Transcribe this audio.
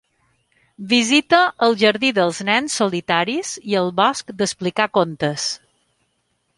Visita el jardí dels nens solitaris i el bosc d’explicar contes.